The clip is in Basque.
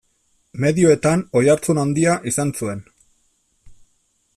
Medioetan oihartzun handia izan zuen.